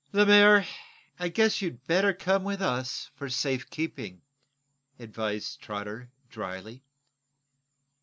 "Lemaire, I guess you'd better come with us, for safe keeping," advised Trotter, dryly.